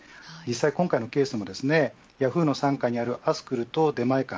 今回のケースもヤフーの参加にあるアスクルと出前館。